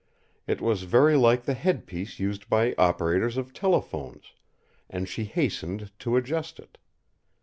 It was very like the headpiece used by operators of telephones, and she hastened to adjust it.